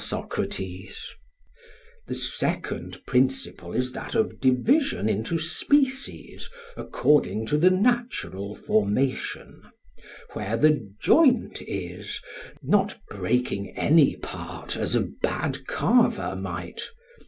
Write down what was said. SOCRATES: The second principle is that of division into species according to the natural formation, where the joint is, not breaking any part as a bad carver might.